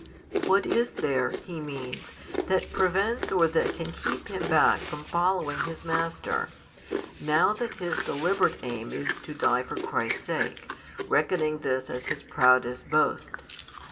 What is there, he means, that prevents or that can keep him back from following His Master, now that his deliberate aim is to die for Christ's sake, reckoning this as his proudest boast?